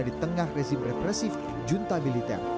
di tengah rezim represif junta militer